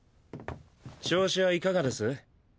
調子はいかがです？